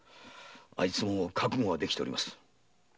あいつも覚悟はできております。